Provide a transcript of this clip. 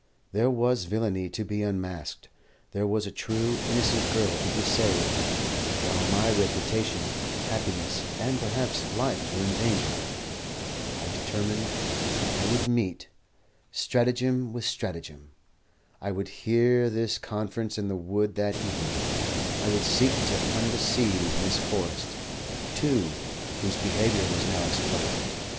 There was villainy to be unmasked, there was a true, innocent girl to be saved, while my reputation, happiness, and perhaps life were in danger. I determined I would meet stratagem with stratagem. I would hear this conference in the wood that evening. I would seek to undeceive Miss Forrest, too, whose behaviour was now explained.